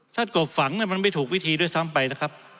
ถ้ากบฝังมันไม่ถูกวิธีด้วยซ้ำไปนะครับ